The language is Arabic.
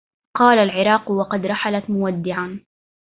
قال العراق وقد رحلت مودعا